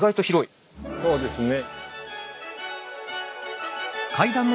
そうですね。